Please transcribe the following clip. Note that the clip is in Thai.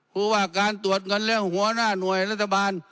พูดว่าการตรวจเงินเรื่องหัวหน้าหน่วยรัฐบาล